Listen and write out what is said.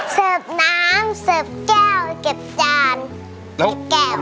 เสิร์ฟน้ำเสิร์ฟแก้วเก็บจานเก็บแก้ว